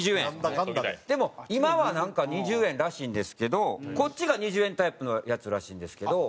でも今はなんか２０円らしいんですけどこっちが２０円タイプのやつらしいんですけど。